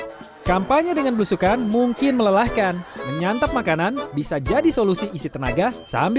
masyarakat di jakarta kampanye dengan blu sukan mungkin melelahkan menyantap makanan bisa jadi solusi untuk kegiatan masyarakat di jakarta